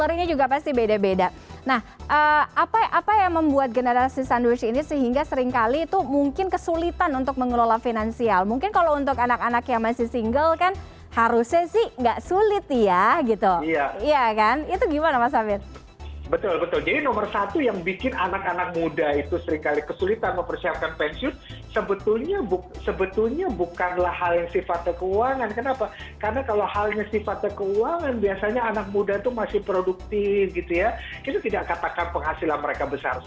itu tidak katakan penghasilan mereka besar sekali tidak